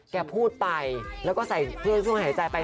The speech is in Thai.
แกพูดไปแล้วก็ใส่เครื่องช่วยหายใจไป